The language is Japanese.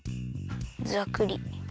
ざくり。